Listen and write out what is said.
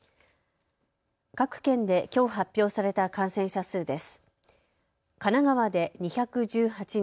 各県できょう発表された感染者数です。